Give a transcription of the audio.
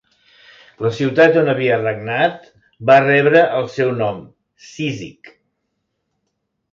La ciutat on havia regnat, va rebre el seu nom, Cízic.